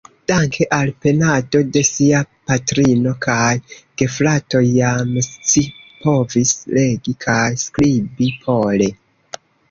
Danke al penado de sia patrino kaj gefratoj jam scipovis legi kaj skribi pole.